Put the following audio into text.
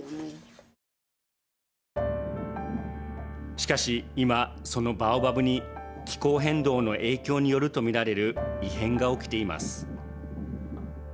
しかし今、そのバオバブに気候変動の影響によるとみられる異変が起きています。